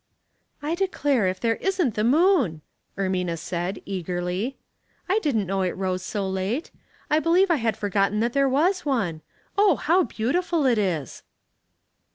" I declare if there isn't the moon," Ermina said, eagerly. *' I didn't know it rose so late. I believe I had forgotten that there was one. Oh, how beautiful it is